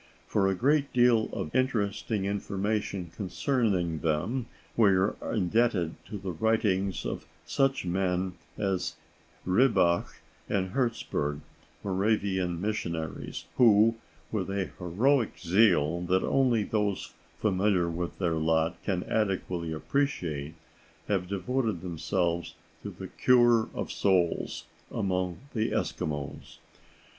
For a great deal of interesting information concerning them we are indebted to the writings of such men as Ribbach and Herzeburg, Moravian missionaries, who, with a heroic zeal that only those familiar with their lot can adequately appreciate, have devoted themselves to "the cure of souls" among the Eskimos.